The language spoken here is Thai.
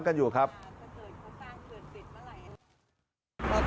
บอกแม่ขอวัดใสหน่อยนะ